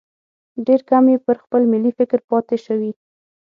ډېر کم یې پر خپل ملي فکر پاتې شوي.